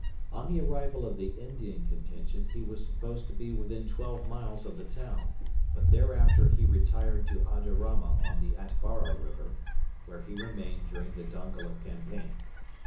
On the arrival of the Indian contingent he was supposed to be within twelve miles of the town, but thereafter he retired to Adarama on the Atbara river, where he remained during the Dongola campaign.